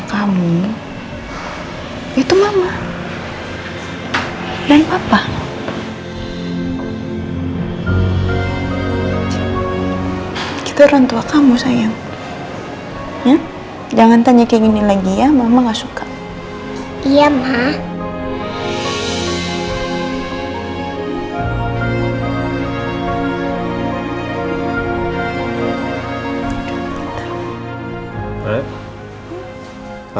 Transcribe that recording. kau mau percaya apa